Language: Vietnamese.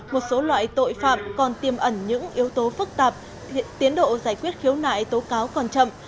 một số loại tội phạm còn tiêm ẩn những yếu tố phức tạp tiến độ giải quyết khiếu nại tố cáo còn chậm